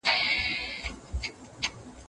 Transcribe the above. که ته په ځان باور ولرې، هره ستونزه به حل کړې.